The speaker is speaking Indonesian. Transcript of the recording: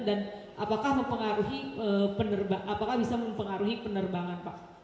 dan apakah bisa mempengaruhi penerbangan pak